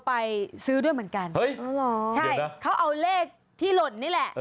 ไปซื้อเหมือนกัน